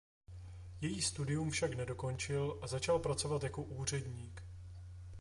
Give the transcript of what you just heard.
Její studium však nedokončil a začal pracovat jako úředník.